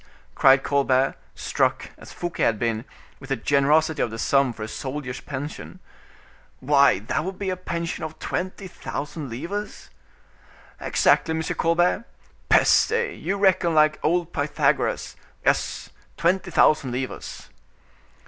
cried Colbert, struck, as Fouquet had been, with the generosity of the sum for a soldier's pension, "why, that would be a pension of twenty thousand livres?" "Exactly, M. Colbert. Peste! you reckon like old Pythagoras; yes, twenty thousand livres."